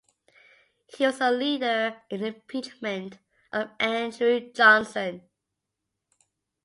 He was a leader in the impeachment of Andrew Johnson.